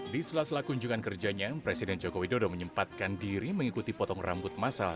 di sela sela kunjungan kerjanya presiden joko widodo menyempatkan diri mengikuti potong rambut masal